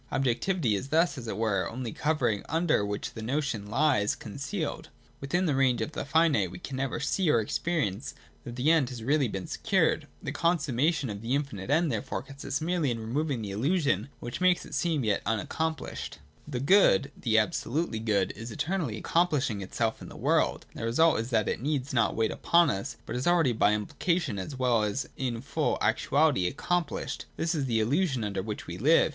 Objectivity is thus, as it were, only a covering under which the notion lies con cealed. Within the range of the finite we can never see or experience that the End has been really secured. The con summation of the infinite End, therefore, consists merely in 352 THE DOCTRINE OF THE NOTION. [212, 213 removing the illusion which makes it seem yet unaccom plished. The Good, the absolutely Good, is eternally accomplishing itself in the world : and the result is that it needs not wait upon us, but is already by implication, as well as in full actuality, accomphshed. This is the illusion under which we live.